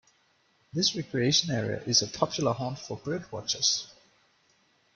This recreation area is a popular haunt for birdwatchers.